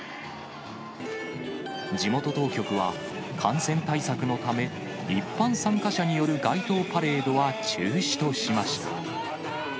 地元当局は感染対策のため、一般参加者による街頭パレードは中止としました。